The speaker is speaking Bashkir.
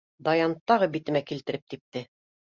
Даян тағы битемә килтереп типте.